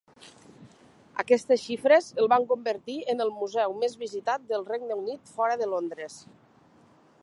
Aquestes xifres el van convertir en el museu més visitat del Regne Unit fora de Londres.